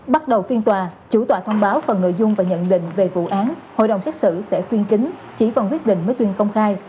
bắt đầu tuyên tòa chủ tòa thông báo phần nội dung và nhận định về vụ án hội đồng xét xử sẽ tuyên kính chỉ phần quyết định mới tuyên công khai